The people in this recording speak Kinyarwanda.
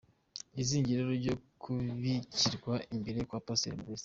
Izingiro ryo kubikirwa imbere kwa Pastor Modeste.